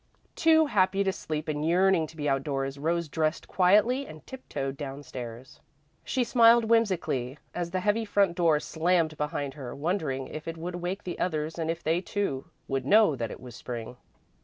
Too happy to sleep and yearning to be outdoors, Rose dressed quietly and tiptoed down stairs. She smiled whimsically as the heavy front door slammed behind her, wondering if it would wake the others and if they, too, would know that it was Spring.